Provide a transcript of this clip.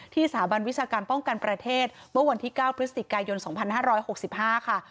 สถาบันวิชาการป้องกันประเทศเมื่อวันที่๙พฤศจิกายน๒๕๖๕ค่ะ